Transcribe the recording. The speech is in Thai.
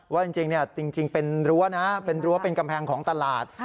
ว่าจริงเป็นรั้วนะเป็นรั้วเป็นกำแพงของตลาด